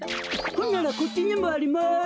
ほんならこっちにもあります。